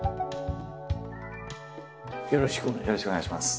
よろしくお願いします。